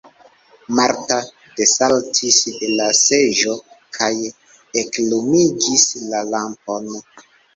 Marta desaltis de la seĝo kaj eklumigis la lampon.